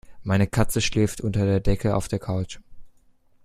Meine Katze schläft unter der Decke auf der Couch.